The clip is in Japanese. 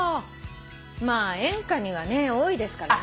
まあ演歌にはね多いですからね。